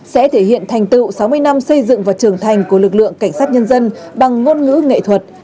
sẽ thể hiện thành tựu sáu mươi năm xây dựng và trưởng thành của lực lượng cảnh sát nhân dân bằng ngôn ngữ nghệ thuật